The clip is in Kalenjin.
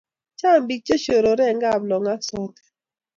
chang pik che shorore en kaplong ak sotik